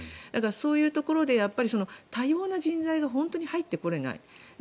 そういうところで多様な人材が本当に入ってこれない。